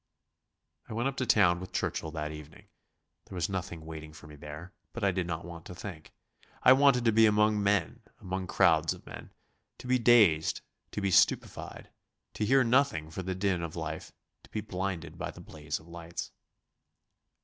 I went up to town with Churchill that evening. There was nothing waiting for me there, but I did not want to think. I wanted to be among men, among crowds of men, to be dazed, to be stupefied, to hear nothing for the din of life, to be blinded by the blaze of lights.